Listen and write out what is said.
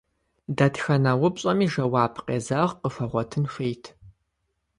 Дэтхэнэ упщӏэми жэуап къезэгъ къыхуэгъуэтын хуейт.